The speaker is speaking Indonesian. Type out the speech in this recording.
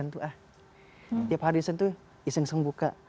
tiap hari sentuh iseng seng buka